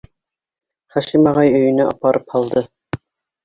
Хашим ағай өйөнә апарып һалды!